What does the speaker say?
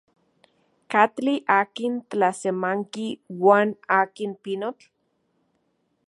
¿Katli akin tlasemanki uan akin pinotl?